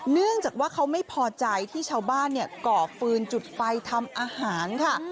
เนื่องจากว่าเขาไม่พอใจที่ชาวบ้านก่อฟืนจุดไฟทำอาหารค่ะ